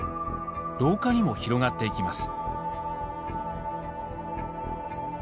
廊下にも広がっていきます。